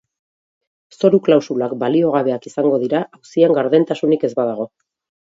Zoru klausulak baliogabeak izango dira, auzian gardentasunik ez badago.